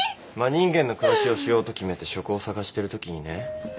真人間の暮らしをしようと決めて職を探してるときにね